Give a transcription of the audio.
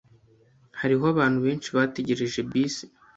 Hariho abantu benshi bategereje bisi.